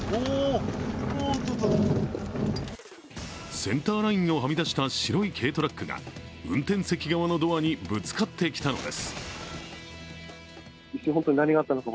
センターラインをはみ出した白い軽トラックが運転席側のドアにぶつかってきたのです。